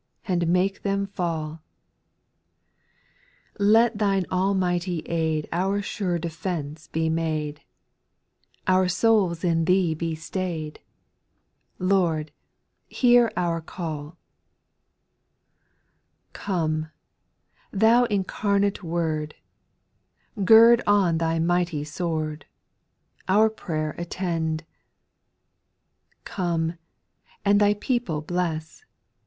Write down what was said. And make them fall ; Let Thine Almighty aid Our sure defence be made, Our souls in Thee be stayed ; Lord, hear our caU. 8. Come, Thou incarnate Word, Gird on Thy mighty sword, Our prayer attend ! Come, and Thy people bless.